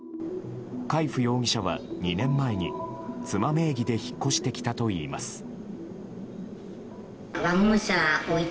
海部容疑者は２年前に、妻名義で引っ越してきたといいます。